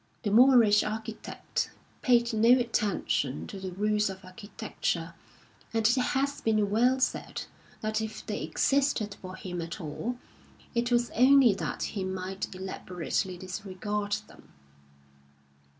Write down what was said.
The Moorish architect paid no attention to the rules of architecture, and it has been well said that if they existed for him at all it was only that he might elaborately disregard them.